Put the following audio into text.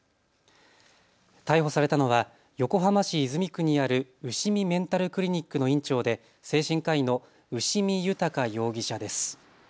逮捕されたのは横浜市泉区にあるうしみメンタルクリニックの院長で精神科医の牛見豊容疑者です。